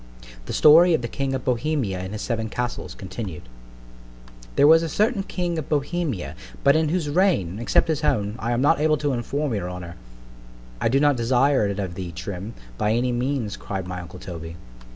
THE STORY OF THE KING OF BOHEMIA AND HIS SEVEN CASTLES, CONTINUED THERE was a certain king of Bohemia, but in whose reign, except his own, I am not able to inform your honour—— I do not desire it of thee, Trim, by any means, cried my uncle _Toby.